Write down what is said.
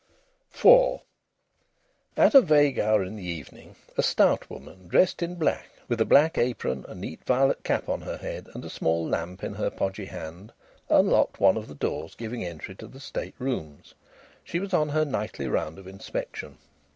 IV At a vague hour in the evening a stout woman dressed in black, with a black apron, a neat violet cap on her head, and a small lamp in her podgy hand, unlocked one of the doors giving entry to the state rooms. She was on her nightly round of inspection.